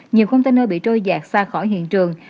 nhiều container bị trôi dạt xa khỏi hiện trường